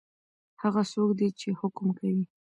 هغه څوک دی چی حکم کوي؟